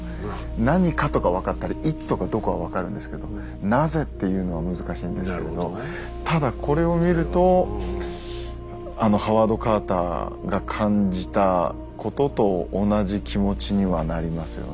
「何か」とか分かったり「いつ」とか「どこ」は分かるんですけど「なぜ」っていうのは難しいんですけれどただこれを見るとあのハワード・カーターが感じたことと同じ気持ちにはなりますよね